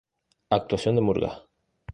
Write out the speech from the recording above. Actuación de Murgas.